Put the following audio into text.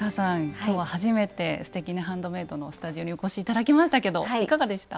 今日は初めて「すてきにハンドメイド」のスタジオにお越し頂きましたけどいかがでした？